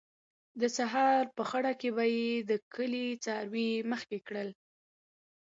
د سهار په خړه کې به یې د کلي څاروي مخکې کړل.